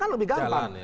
kan lebih gampang